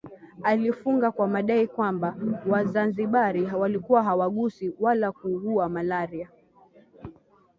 Alifunga kwa madai kwamba Wazanzibari walikuwa hawaguswi wala kuugua malaria